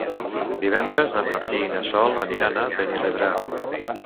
Divendres en Martí i na Sol aniran a Benirredrà.